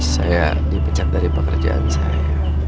saya dipecat dari pekerjaan saya